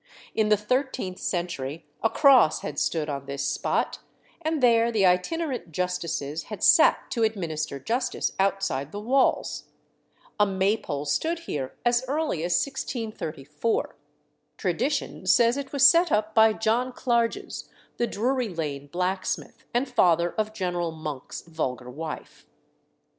In the thirteenth century a cross had stood on this spot, and there the itinerant justices had sat to administer justice outside the walls. A Maypole stood here as early as 1634. Tradition says it was set up by John Clarges, the Drury Lane blacksmith, and father of General Monk's vulgar wife.